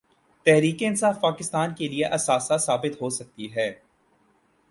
تحریک انصاف پاکستان کے لیے اثاثہ ثابت ہو سکتی ہے۔